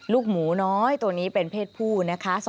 ลูกหมูน้อยตัวนี้เป็นเพศผู้นะคะ